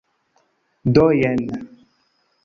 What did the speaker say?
Do jen.